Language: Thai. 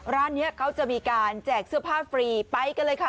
ร้านนี้เขาจะมีการแจกเสื้อผ้าฟรีไปกันเลยค่ะ